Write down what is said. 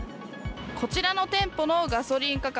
こちらの店舗のガソリン価格